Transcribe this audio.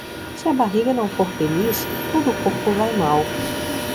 Se a barriga não for feliz, todo o corpo vai mal.